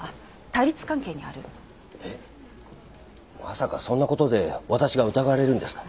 まさかそんな事で私が疑われるんですか？